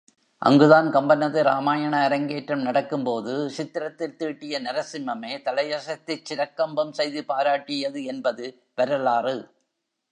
அங்குதான் கம்பனது ராமாயண அரங்கேற்றம் நடக்கும்போது சித்திரத்தில் தீட்டிய நரசிம்மமே தலையசைத்துச் சிரக்கம்பம் செய்து பாராட்டியது என்பது வரலாறு.